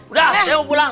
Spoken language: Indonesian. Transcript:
udah saya mau pulang